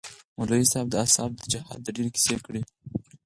مولوي صاحب د اصحابو د جهاد ډېرې كيسې وكړې.